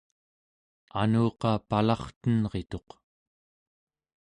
anuqa palartenrituq